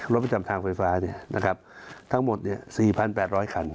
ประจำทางไฟฟ้าทั้งหมด๔๘๐๐คัน